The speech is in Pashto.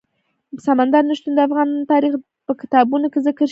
سمندر نه شتون د افغان تاریخ په کتابونو کې ذکر شوی دي.